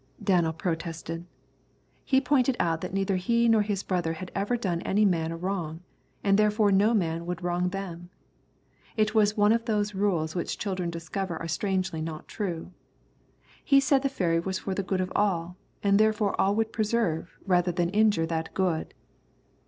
Danel protested. He pointed out that neither he nor his brother had ever done any man a wrong, and therefore no man would wrong them. It was one of those rules which children discover are strangely not true. He said the ferry was for the good of all, and therefore all would preserve rather than injure that good.